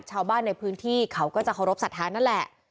ชาวบ้านในพื้นที่เขาก็จะเคารพสัทธานั่นแหละ